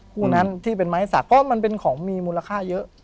คู่นั้นที่เป็นไม้สักเพราะมันเป็นของมีมูลค่าเยอะ